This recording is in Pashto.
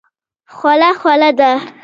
خوله خوله ده.